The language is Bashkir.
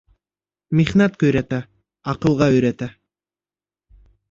Михнәт көйрәтә, аҡылға өйрәтә.